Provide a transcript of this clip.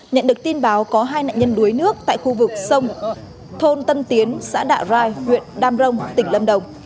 nhận được tin báo có hai nạn nhân đuối nước tại khu vực sông thôn tân tiến xã đạ rai huyện đam rông tỉnh lâm đồng